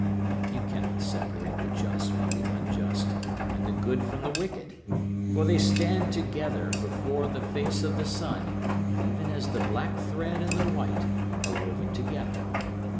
You cannot separate the just from the unjust and the good from the wicked; For they stand together before the face of the sun even as the black thread and the white are woven together.